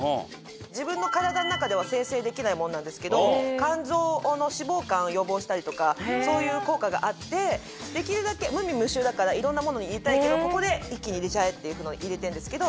自分の体の中では生成できないものなんですけど肝臓の脂肪肝を予防したりとかそういう効果があって無味無臭だからいろんなものに入れたいけどここで一気に入れちゃえっていうので入れてるんですけど。